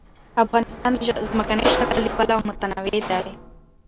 افغانستان د ځمکنی شکل له پلوه متنوع دی.